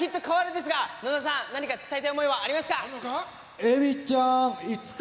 ですが、野田さん、何か伝えたい想いはありますか？